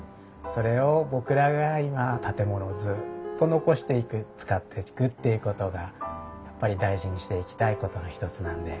それを僕らが今建物をずっと残していく使っていくっていうことがやっぱり大事にしていきたいことの一つなんで。